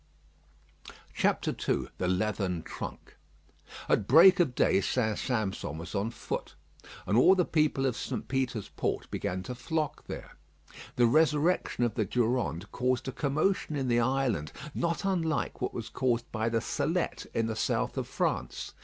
II THE LEATHERN TRUNK At break of day St. Sampson was on foot, and all the people of St. Peter's Port began to flock there. The resurrection of the Durande caused a commotion in the island not unlike what was caused by the Salette in the south of France.